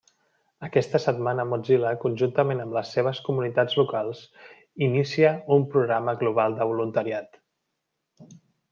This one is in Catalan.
Aquesta setmana Mozilla, conjuntament amb les seves comunitats locals, inicia un programa global de voluntariat.